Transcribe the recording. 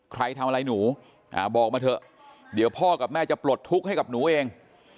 ใครทำอะไรหนูบอกมาเถอะเดี๋ยวพ่อกับแม่จะปลดทุกข์ให้กับหนูเอง